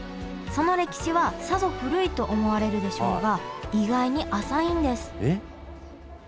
その歴史はさぞ古いと思われるでしょうが意外に浅いんですえっ？